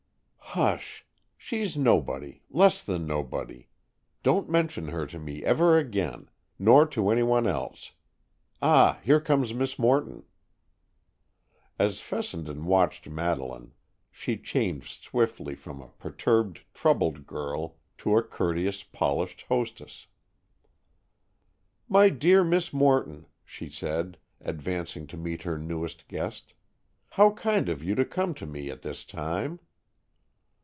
"Hush! She's nobody—less than nobody. Don't mention her to me ever again—nor to any one else. Ah, here comes Miss Morton." As Fessenden watched Madeleine, she changed swiftly from a perturbed, troubled girl to a courteous, polished hostess. "My dear Miss Morton," she said, advancing to meet her newest guest, "how kind of you to come to me at this time."